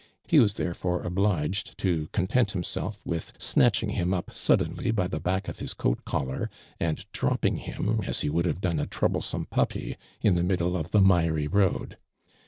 He was therefore obliged to content himself with snatching him up suddenly by the back of his coat collar, and dropping him, as he would have done a troublesome puppy, in the middle of the miry i oad.